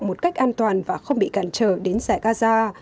một cách an toàn và không bị cản trở đến giải gaza